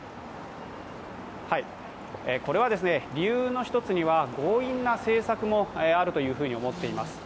これは理由の一つには強引な政策もあるというふうに思っています。